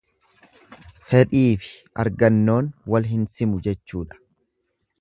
Fedhiifi argannoon wal hin simu jechuudha.